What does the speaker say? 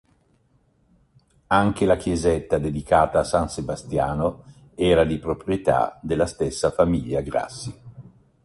Anche la chiesetta dedicata a San Sebastiano era di proprietà della stessa famiglia Grassi.